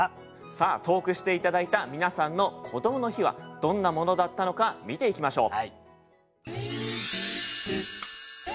さあ投句して頂いた皆さんの「こどもの日」はどんなものだったのか見ていきましょう。